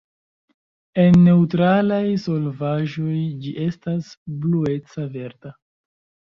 En neŭtralaj solvaĵoj ĝi estas blueca verda.